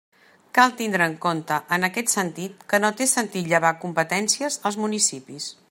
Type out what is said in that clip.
Cal tindre en compte, en aquest sentit, que no té sentit llevar competències als municipis.